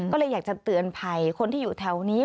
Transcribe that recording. ก็เลยอยากจะเตือนภัยคนที่อยู่แถวนี้